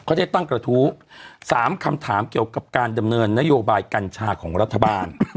เขาได้ตั้งกระทู้๓คำถามเกี่ยวกับการดำเนินนโยบายกัญชาของรัฐบาล